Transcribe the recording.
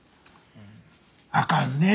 あかんねえ。